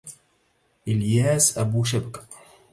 إلياس أبو شبكة